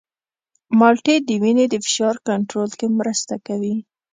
مالټې د وینې د فشار کنټرول کې مرسته کوي.